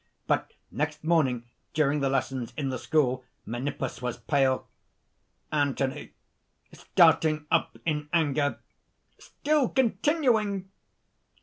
"But next morning, during the lessons in the school, Menippus was pale." ANTHONY (starting up in anger). "Still continuing!